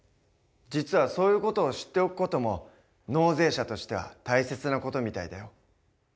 実はそういう事を知っておく事も納税者としては大切な事みたいだよ。